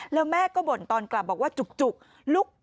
แล้วแม่ก็บ่นตอนกลับบอกว่าจุก